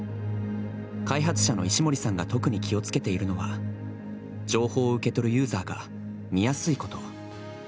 開発者の石森さんが特に気を付けているのは、情報を受け取るユーザーが見やすいこと。